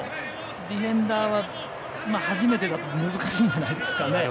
ディフェンダーは初めてだと難しいんじゃないでしょうか。